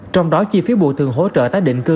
trong đó chi phí bùa thường hỗ trợ tác định cư